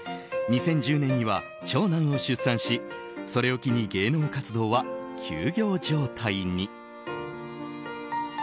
２０１０年には長男を出産しそれを機に芸能活動は休業状態に。